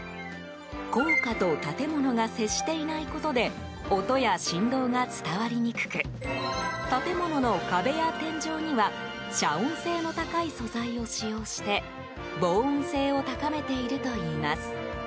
高架と建物が接していないことで音や振動が伝わりにくく建物の壁や天井には遮音性の高い素材を使用して防音性を高めているといいます。